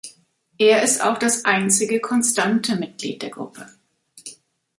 Er ist auch das einzige konstante Mitglied der Gruppe.